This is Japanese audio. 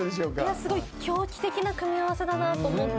すごい狂気的な組み合わせだなと思って。